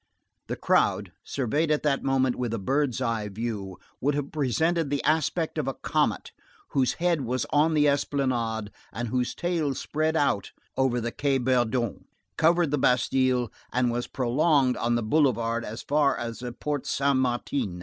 The crowd, surveyed at that moment with a bird's eye view, would have presented the aspect of a comet whose head was on the esplanade and whose tail spread out over the Quai Bourdon, covered the Bastille, and was prolonged on the boulevard as far as the Porte Saint Martin.